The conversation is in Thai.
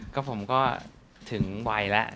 ก็ผมก็ถึงวัยแล้ว